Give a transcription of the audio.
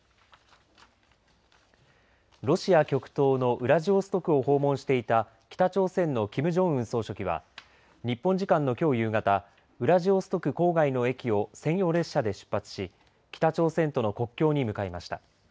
ロシア極東のウラジオストクを訪問していた北朝鮮のキム・ジョンウン総書記は日本時間のきょう夕方ウラジオストク郊外の駅を専用列車で出発し北朝鮮との国境に向かいました。